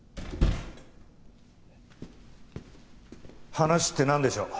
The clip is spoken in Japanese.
話ってなんでしょう？